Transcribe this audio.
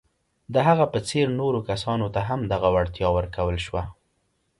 د هغه په څېر نورو کسانو ته هم دغه وړتیا ورکول شوه.